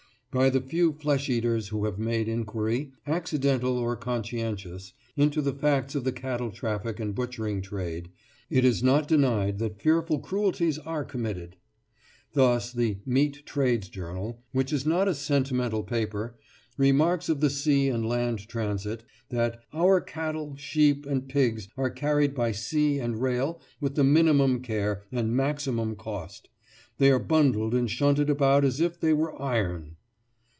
By the few flesh eaters who have made inquiry, accidental or conscientious, into the facts of the cattle traffic and butchering trade, it is not denied that fearful cruelties are committed. Thus the Meat Trades Journal, which is not a sentimental paper, remarks of the sea and land transit, that "our cattle, sheep, and pigs are carried by sea and rail with the minimum care and maximum cost; they are bundled and shunted about as if they were iron."